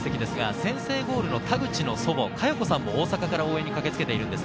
先制ゴールの田口の祖母・かよこさんも応援に駆けつけています。